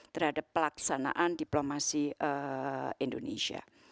terhadap pelaksanaan diplomasi indonesia